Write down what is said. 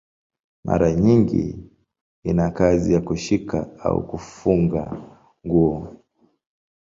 Mara nyingi ina kazi ya kushika au kufunga nguo.